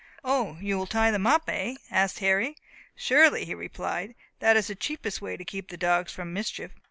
"O, you will tie them up, hey?" asked Harry. "Surely," he replied, "that is the cheapest way to keep dogs from mischief."